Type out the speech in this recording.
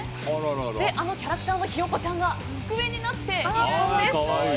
あのキャラクターのヒヨコちゃんが机になっているんです！